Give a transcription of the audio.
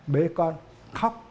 bế con khóc